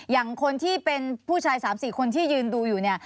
อย่างคนที่เป็นผู้ชาย๓๔คนที่ยืนดูอยู่เนี่ย